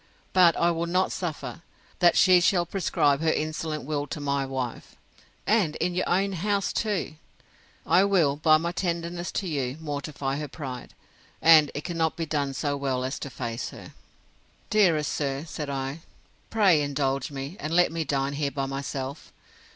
But I will not suffer, that she shall prescribe her insolent will to my wife, and in your own house too.—I will, by my tenderness to you, mortify her pride; and it cannot be done so well as to her face. Dearest sir, said I, pray indulge me, and let me dine here by myself.